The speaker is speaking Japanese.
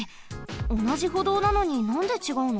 おなじほどうなのになんでちがうの？